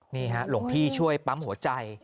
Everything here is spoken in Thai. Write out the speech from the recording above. นี่ฮะหลวงพี่ช่วยปั๊มหัวใจ